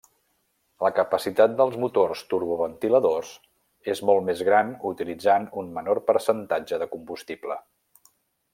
La capacitat dels motors turboventiladors és molt més gran utilitzant un menor percentatge de combustible.